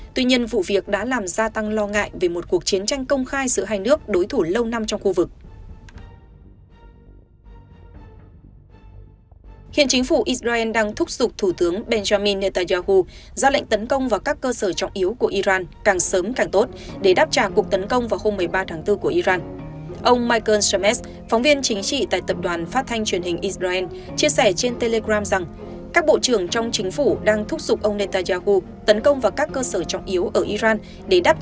tuy nhiên vụ việc đã làm gia tăng lo ngại về một cuộc chiến tranh công khai giữa hai nước đối thủ lâu năm trong khu vực